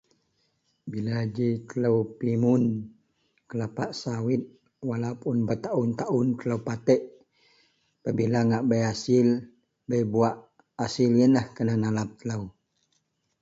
Bila bei ji kelo pimun kelapa sawit walaupun bertahun-tahun kelo matik apa bila bei hasil pebuak, hasil yianlah kena bak nalap telo.